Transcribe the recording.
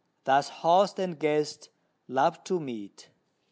Thus host and guest love to meet!"